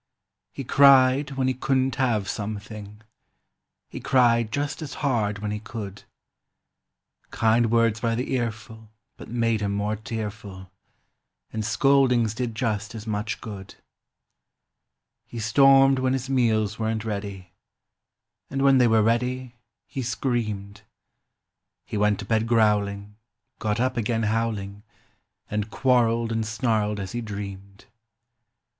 He cried when he couldn't have something; He cried just as hard when he could; Kind words by the earful but made him more tearful, And scoldings did just as much good. He stormed when his meals weren't ready, And when they were ready, he screamed. He went to bed growling, got up again howling And quarreled and snarled as he dreamed.